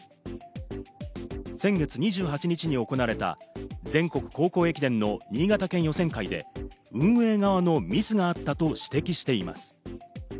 先月２８日に行われた全国高校駅伝の新潟県予選会で、運営側のミスがあったと指摘しています。